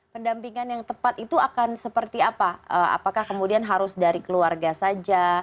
pendampingan yang tepat itu akan seperti apa apakah kemudian harus dari keluarga saja